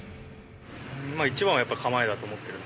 一番はやっぱり構えだと思っているので。